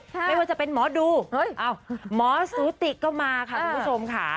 ไม่ว่าจะเป็นหมอดูหมอสูติก็มาค่ะคุณผู้ชมค่ะ